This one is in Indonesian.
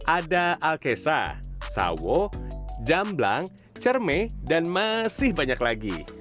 ada alkesa sawo jamblang cerme dan masih banyak lagi